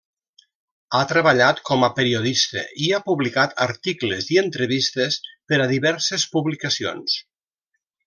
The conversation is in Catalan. Ha treballat com a periodista i ha publicat articles i entrevistes per a diverses publicacions.